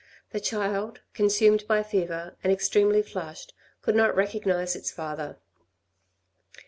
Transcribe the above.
The child consumed by fever, and extremely flushed, could not recognise its father.